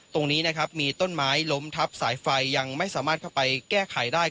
ตรงนี้นะครับมีต้นไม้ล้มทับสายไฟยังไม่สามารถเข้าไปแก้ไขได้